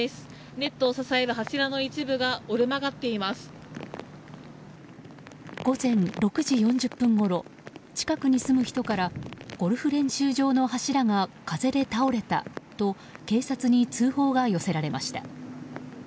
ネットを支える柱の一部が午前６時４０分ごろ近くに住む人からゴルフ練習場の柱が風で倒れたと警察に通報が寄せられました。